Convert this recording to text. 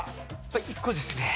１個ですね。